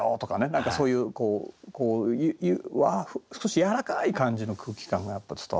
何かそういう少しやわらかい感じの空気感がやっぱ伝わってくるかな。